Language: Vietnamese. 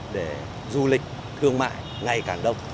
để du lịch thương mại ngày càng đông